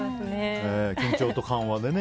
緊張と緩和でね。